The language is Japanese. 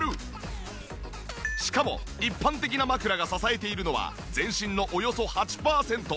しかも一般的な枕が支えているのは全身のおよそ８パーセント。